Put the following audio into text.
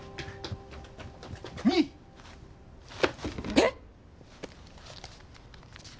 えっ！？